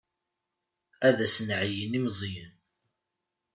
Ad as-nɛeyyen i Meẓyan.